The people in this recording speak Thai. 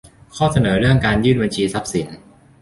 ข้อเสนอเรื่องการยื่นบัญชีทรัพย์สิน